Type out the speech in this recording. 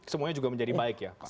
semuanya juga menjadi baik ya pak